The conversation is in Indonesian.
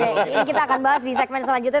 oke ini kita akan bahas di segmen selanjutnya